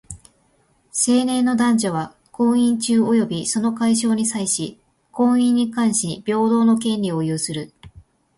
成年の男女は、婚姻中及びその解消に際し、婚姻に関し平等の権利を有する。